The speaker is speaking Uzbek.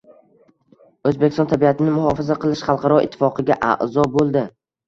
O‘zbekiston Tabiatni muhofaza qilish xalqaro ittifoqiga a’zo bo‘ldi